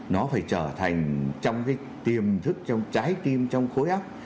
nó phải trở thành trong cái tiềm thức trong trái tim trong khối áp